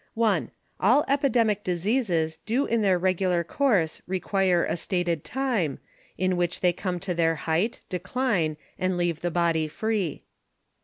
1. All Epidemic Diseases do in their regular course require a stated time, in which they come to their height, decline, and leave the Body free.